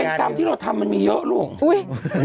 เป็นกรรมที่เราทำมันมีเยอะลูก